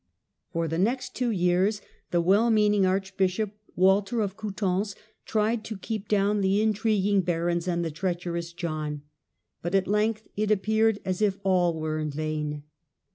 For the next two years the well meaning archbishop, Walter of Coutances, tried to keep down the intriguing barons and the treacherous John. But at length it ap peared as if all was in vain.